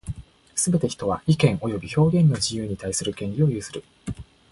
すべて人は、意見及び表現の自由に対する権利を有する。